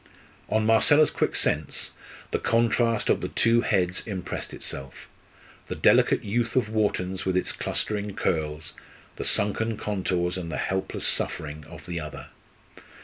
On Marcella's quick sense the contrast of the two heads impressed itself the delicate youth of Wharton's with its clustering curls the sunken contours and the helpless suffering of the other.